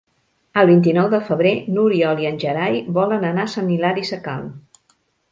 El vint-i-nou de febrer n'Oriol i en Gerai volen anar a Sant Hilari Sacalm.